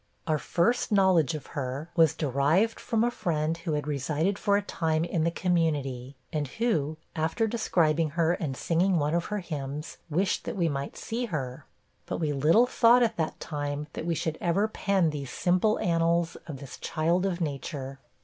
Our first knowledge of her was derived from a friend who had resided for a time in the 'Community,' and who, after describing her, and singing one of her hymns, wished that we might see her. But we little thought, at that time, that we should ever pen these 'simple annals' of this child of nature.